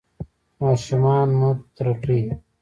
ماشومان مه ترټئ.